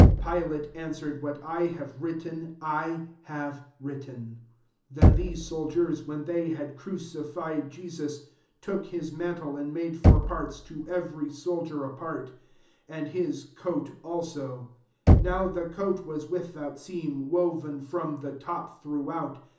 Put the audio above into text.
" 22 Pilate answered, " What I have writ ten, I have written." 23 Then the soldiers, when they had crucified Jesus, took his mantle, (and made four parts, to every soldier a part,) and /lia coat aUo : now the coat was without seam, woven from the top throughout.